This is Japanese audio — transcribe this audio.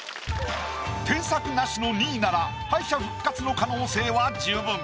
添削なしの２位なら敗者復活の可能性は十分。